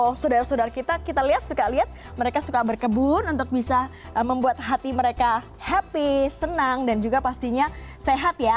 oh saudara saudara kita kita lihat suka lihat mereka suka berkebun untuk bisa membuat hati mereka happy senang dan juga pastinya sehat ya